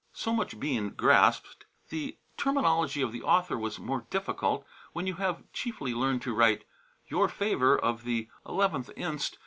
So much Bean grasped. The terminology of the author was more difficult. When you have chiefly learned to write, "Your favour of the 11th inst.